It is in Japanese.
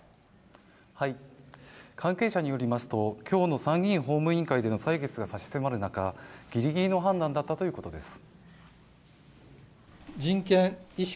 関係者によりますと、今日の参議院法務委員会での採決が差し迫る中、ギリギリの判断だったということです。